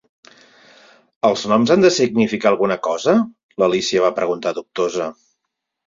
"Els noms han de significar alguna cosa?", l'Alícia va preguntar dubtosa.